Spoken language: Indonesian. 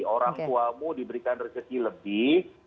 orang tuamu diberikan rezeki lebih